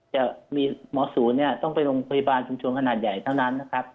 จะมีหมอสูว์ต้องไปโรงพยาบาลชุมชนขนาดใหญ่เท่านั้น